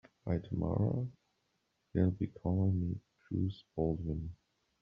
By tomorrow they'll be calling me Bruce Baldwin.